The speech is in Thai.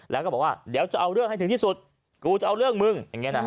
แล้วก็บอกว่าเดี๋ยวจะเอาเรื่องให้ถึงที่สุดกูจะเอาเรื่องมึง